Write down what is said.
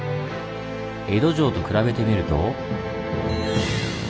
江戸城と比べてみると。